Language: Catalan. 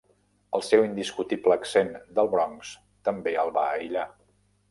El seu indiscutible accent del Bronx també el va aïllar.